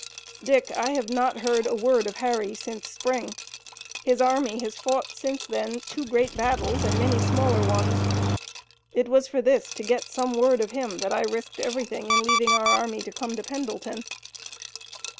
Dick, I have not heard a word of Harry since spring. His army has fought since then two great battles and many smaller ones! It was for this, to get some word of him, that I risked everything in leaving our army to come to Pendleton!"